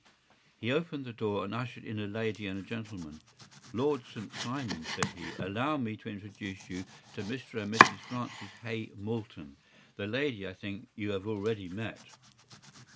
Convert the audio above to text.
” He opened the door and ushered in a lady and gentleman. “Lord St. Simon,” said he, “allow me to introduce you to Mr. and Mrs. Francis Hay Moulton. The lady, I think, you have already met.